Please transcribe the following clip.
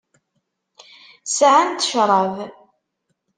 Sɛant ccṛab.